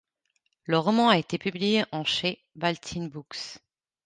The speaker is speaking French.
Le roman a été publié en chez Ballantine Books.